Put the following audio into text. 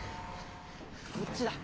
こっちだ。